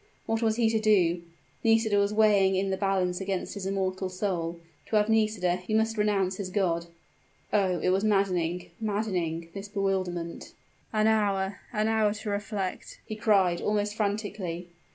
What was he to do? Nisida was weighing in the balance against his immortal soul: to have Nisida he must renounce his God! Oh! it was maddening maddening, this bewilderment! "An hour an hour to reflect!" he cried, almost frantically.